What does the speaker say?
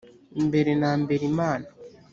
mbere na mbere imana